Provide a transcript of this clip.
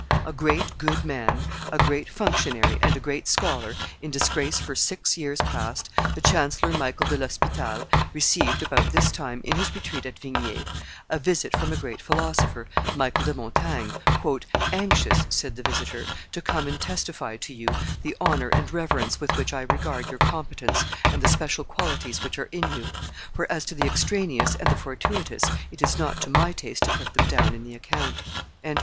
[Illustration: Chancellor Michael de l'Hospital 376] A great, good man, a great functionary, and a great scholar, in disgrace for six years past, the Chancellor Michael de l'Hospital, received about this time, in his retreat at Vignay, a visit from a great philosopher, Michael de Montaigne, "anxious," said the visitor, "to come and testify to you the honor and reverence with which I regard your competence and the special qualities which are in you; for, as to the extraneous and the fortuitous, it is not to my taste to put them down in the account."